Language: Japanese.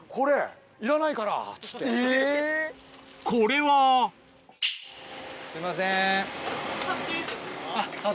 これはすいません。